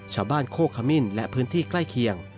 โคกขมิ้นและพื้นที่ใกล้เคียง